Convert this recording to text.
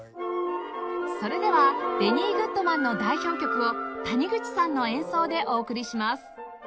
それではベニー・グッドマンの代表曲を谷口さんの演奏でお送りします